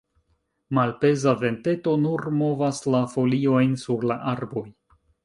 Malpeza venteto nur movas la foliojn sur la arboj.